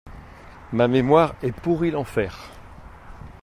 Ma mémoire est pourrie l'enfer.